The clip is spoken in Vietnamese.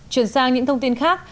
chuyển sang những thông tin khác